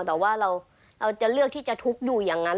แต่ว่าเราจะเลือกที่จะทุกข์อยู่อย่างนั้น